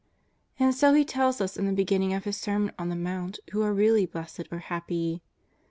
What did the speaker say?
And so He tells us in the beginning of His Sermon on the Mount who are really blessed or happy.